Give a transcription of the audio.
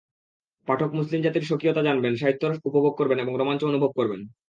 পাঠক মুসলিম জাতির স্বকীয়তা জানবেন, সাহিত্যরস উপভোগ করবেন এবং রোমাঞ্চ অনুভব করবেন।